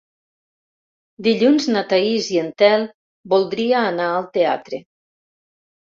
Dilluns na Thaís i en Telm voldria anar al teatre.